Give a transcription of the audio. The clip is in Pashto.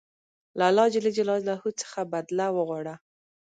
له الله ج څخه بدله وغواړه.